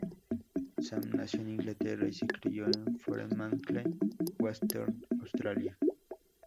Sam nació en Inglaterra y se crio en Fremantle, Western Australia.